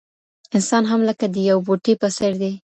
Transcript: انسان هم لکه د یو بوټي په څېر دی.